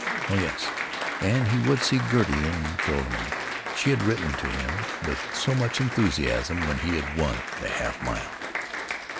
Oh yes. And he would see Gertie in Joralemon.... She had written to him with so much enthusiasm when he had won the half mile.